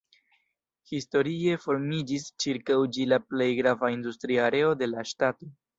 Historie formiĝis ĉirkaŭ ĝi la plej grava industria areo de la ŝtato.